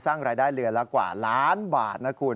สร้างรายได้เดือนละกว่าล้านบาทนะคุณ